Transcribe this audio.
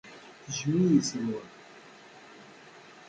Tejjem-iyi Salwa.